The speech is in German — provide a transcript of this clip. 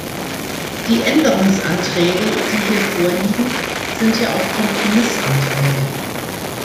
Die Änderungsanträge, die hier vorliegen, sind ja auch Kompromissanträge.